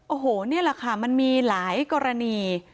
โอ้โหนี่แหละค่ะมันมีหลายกรณี